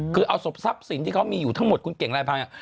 คือเอาศพทรัพย์สินที่เขามีอยู่ทั้งหมดคุณเก่งลายพังเนี่ย